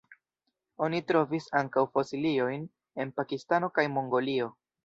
Oni trovis ankaŭ fosiliojn en Pakistano kaj Mongolio.